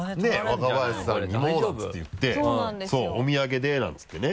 「若林さんにも」なんて言って「お土産で」なんて言ってね。